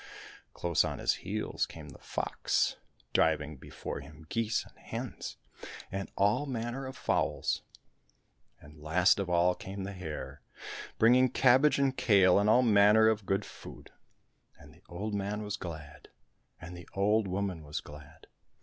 Close on his heels 142 THE STRAW OX came the fox, driving before him geese and hens and all manner of fowls ; and last of all came the hare, bringing cabbage and kale and all manner of good food. And the old man was glad, and the old woman was glad.